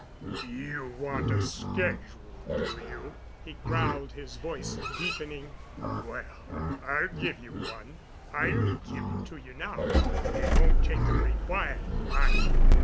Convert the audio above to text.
"You want a schedule, do you?" he growled, his voice deepening. "Well, I'll give you one—I'll give it to you now, and it won't take a great while, either.